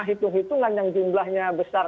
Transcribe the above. hitung hitungan yang jumlahnya besar